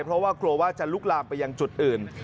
เพราะว่ากลัวว่าจะลุกลามไปยังจุดอื่น